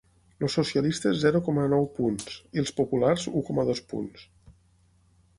Els socialistes zero coma nou punts, i els populars u coma dos punts.